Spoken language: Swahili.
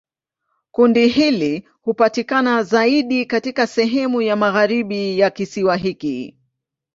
Kundi hili hupatikana zaidi katika sehemu ya magharibi ya kisiwa hiki.